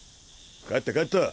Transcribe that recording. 帰った帰った。